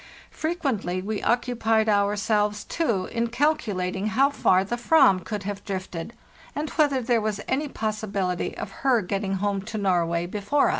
Frequently we occupied ourselves, too, in calculating how far the Ayam could have drifted, and whether there was any possibility of her getting home to Norway before us.